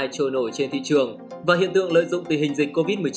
trôi nổi trên thị trường và hiện tượng lợi dụng tình hình dịch covid một mươi chín